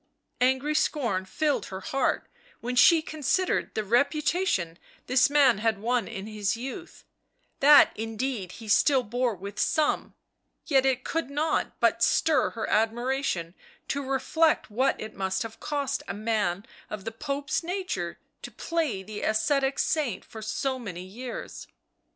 Angry scorn filled her heart when she considered the reputation this man had won in his youth — that indeed he still bore with some — yet it could not but stir her admiration to reflect what it must have cost a man of the Pope's nature to play the ascetic saint for so many years.